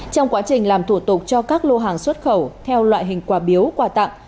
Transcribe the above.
trong quá trình làm thủ tục cho các lô hàng xuất khẩu theo loại hình quà biếu quà tặng